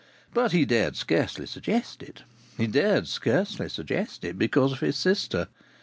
But he dared scarcely suggest it. He dared scarcely suggest it because of his sister.